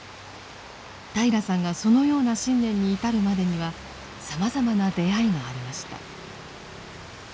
平良さんがそのような信念に至るまでにはさまざまな出会いがありました。